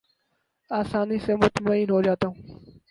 آسانی سے مطمئن ہو جاتا ہوں